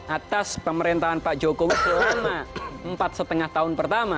atas pemerintahan pak jokowi selama empat lima tahun pertama